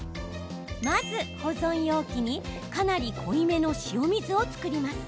まず、保存容器にかなり濃いめの塩水を作ります。